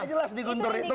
jelas di guntur itu